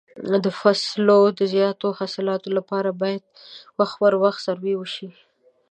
د فصلو د زیاتو حاصلاتو لپاره باید وخت پر وخت سروې وشي.